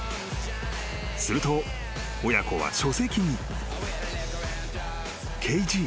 ［すると親子は書籍に］